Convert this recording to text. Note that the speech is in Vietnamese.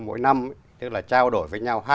mỗi năm tức là trao đổi với nhau